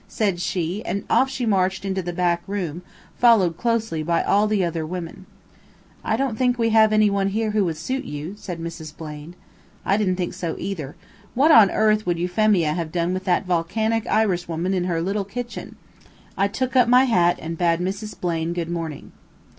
said she, and off she marched into the back room, followed closely by all the other women. "I don't think we have any one here who would suit you," said Mrs. Blaine. I didn't think so either. What on earth would Euphemia have done with that volcanic Irishwoman in her little kitchen! I took up my hat and bade Mrs. Blaine good morning.